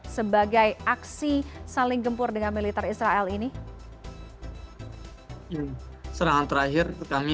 sebagai aksi saling gempur dengan milita israel ini